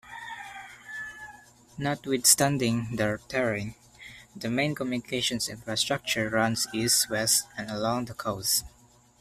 Notwithstanding the terrain, the main communications infrastructure runs east-west along the coast.